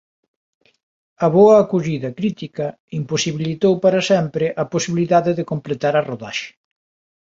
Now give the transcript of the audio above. A boa acollida crítica imposibilitou para sempre a posibilidade de completar a rodaxe.